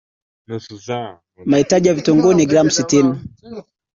mahitaji ya vitunguu ni gram sitini